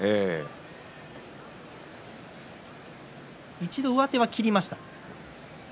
一度上手を切りました。